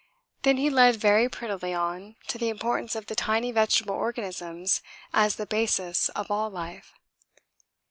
Then he led very prettily on to the importance of the tiny vegetable organisms as the basis of all life.